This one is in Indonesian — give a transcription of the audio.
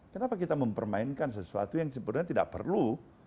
kenapa kita mempermainkan sesuatu yang sebenarnya tidak perlu